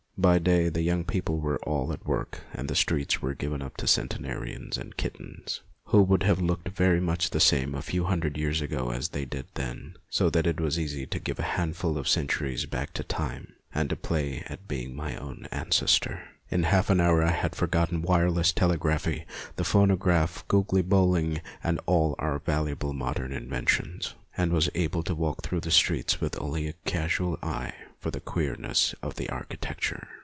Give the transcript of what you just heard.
By day the young people were all at work and the streets were given up to centenarians and kittens, who would have looked very much the same a few hundred years ago as they did then, so that it was easy to give a hand ful of centuries back to Time and to play at being my own ancestor. In half an hour I had forgotten wireless telegraphy, the phonograph, googly bowling, and all our valuable modern inventions, and was able to walk through the streets with only a casual eye for the queerness of the archi tecture.